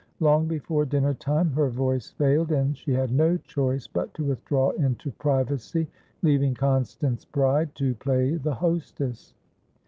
Long before dinner time her voice failed, and she had no choice but to withdraw into privacy, leaving Constance Bride to play the hostess.